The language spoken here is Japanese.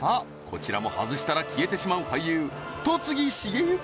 こちらも外したら消えてしまう俳優戸次重幸